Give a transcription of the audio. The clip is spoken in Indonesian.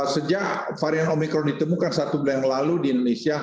sejak varian omicron ditemukan satu bulan lalu di indonesia